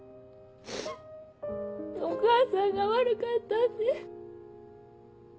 「お母さんが悪かった」って。